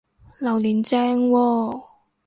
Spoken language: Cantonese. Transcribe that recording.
榴槤正喎！